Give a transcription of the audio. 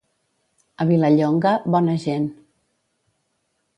A Vilallonga, bona gent.